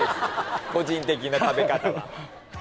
個人的な食べ方は。